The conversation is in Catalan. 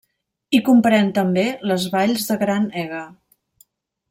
I comprèn també les valls de Gran Ega.